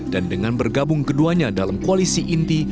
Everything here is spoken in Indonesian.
dan dengan bergabung keduanya dalam koalisi inti